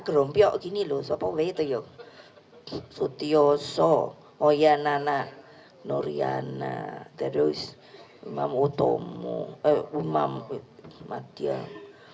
gerompok gini loh sopo bete yuk sutioso oh ya nana nuriana terus memutuhmu umam matiang